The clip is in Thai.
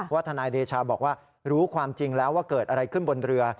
ทนายเดชาบอกว่ารู้ความจริงแล้วว่าเกิดอะไรขึ้นบนเรือ